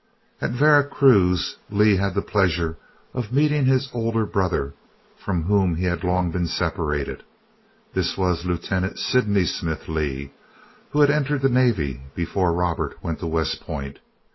At Vera Cruz Lee had the pleasure of meeting his older brother, from whom he had long been separated. This was Lieutenant Sydney Smith Lee, who had entered the Navy before Robert went to West Point.